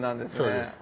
そうです。